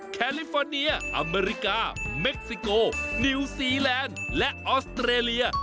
แคลิฟอร์เนียอเมริกาเม็กซิโกนิวซีแลนด์และออสเตรเลีย